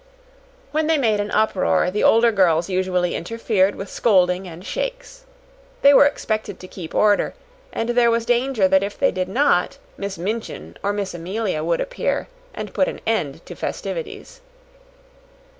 When they made an uproar the older girls usually interfered with scolding and shakes. They were expected to keep order, and there was danger that if they did not, Miss Minchin or Miss Amelia would appear and put an end to festivities.